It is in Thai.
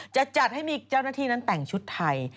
จะจัดให้มีเจ้าหน้าที่นั้นแต่งชุดไทย